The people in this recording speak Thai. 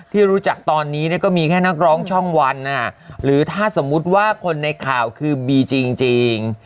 ที่รู้จักตอนนี้ก็มีแค่นักร้องช่องวันหรือถ้าสมมุติว่าคนในข่าวคือบีจริง